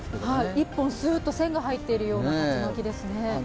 １本すーっと線が入っているような竜巻ですね。